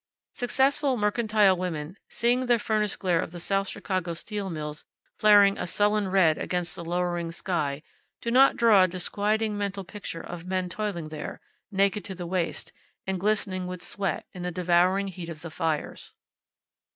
Successful mercantile women, seeing the furnace glare of the South Chicago steel mills flaring a sullen red against the lowering sky, do not draw a disquieting mental picture of men toiling there, naked to the waist, and glistening with sweat in the devouring heat of the fires.